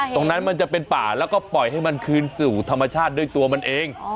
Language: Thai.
มันจะเป็นป่าแล้วก็ปล่อยให้มันคืนสู่ธรรมชาติด้วยตัวมันเอง